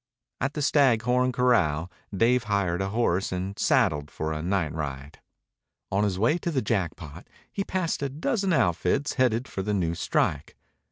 At the Stag Horn corral Dave hired a horse and saddled for a night ride. On his way to the Jackpot he passed a dozen outfits headed for the new strike.